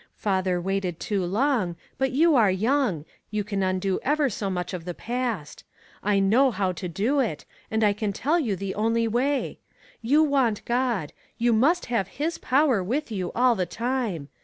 Father waited too long, but you are young; you can undo ever so much of the past. I know how to do it, and I can tell you the only way. You want God ; you must have his power with you all the time.